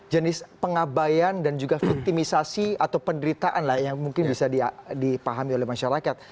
jenis pengabayan dan juga victimisasi atau penderitaan lah yang mungkin bisa dipahami oleh masyarakat